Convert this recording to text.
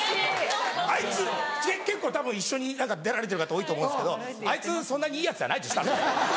結構たぶん一緒に出られてる方多いと思うんですけどあいつそんなにいいヤツじゃないでしょ。